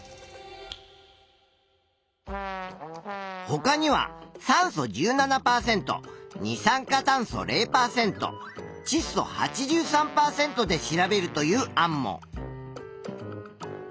ほかには酸素１７％二酸化炭素０％ちっ素８３％で調べるという案も。